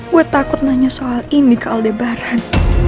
gue takut nanya soal ini ke aldebaran